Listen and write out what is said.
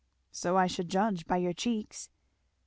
"So I should judge, by your cheeks."